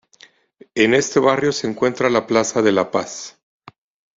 En este barrio se encuentra la Plaza de la Paz